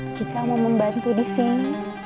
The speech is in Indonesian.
jika mau membantu disini